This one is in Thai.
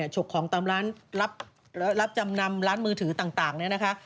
ฉกของตามร้านรับจำนำร้านมือถือต่างเนี่ยนะคะ